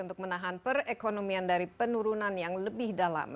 untuk menahan perekonomian dari penurunan yang lebih dalam